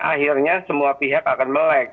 akhirnya semua pihak akan melek